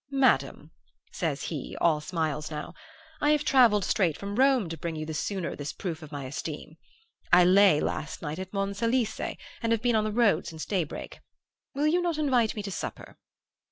"'Madam,' says he, all smiles now, 'I have travelled straight from Rome to bring you the sooner this proof of my esteem. I lay last night at Monselice and have been on the road since daybreak. Will you not invite me to supper?